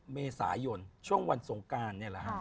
เมษายนช่วงวันทรงการเนี่ย